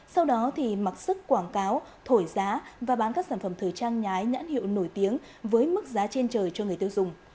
sau đó thì mặc sức quảng cáo thổi giá và bán các sản phẩm thời trang nhái nhãn hiệu nổi tiếng với mức giá trên trời cho người tiêu dùng